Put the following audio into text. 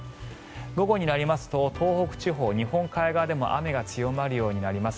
午後になりますと東北地方、日本海側でも雨が強まるようになります。